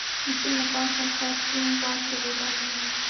د سیند له پاسه ښه توند باد چلیده.